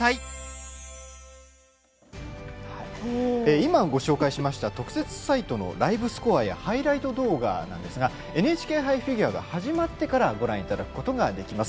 今ご紹介した特設サイトのライブスコアやハイライト動画なんですが「ＮＨＫ杯フィギュア」が始まってからご覧いただけます。